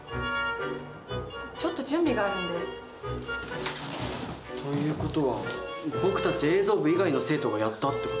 ちょっと準備があるんで。という事は僕たち映像部以外の生徒がやったって事？